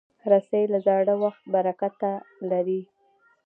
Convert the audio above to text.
رسۍ له زاړه وخت برکته لري.